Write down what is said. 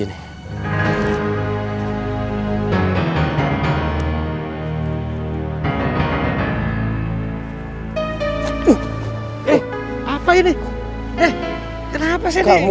eh kenapa sih ini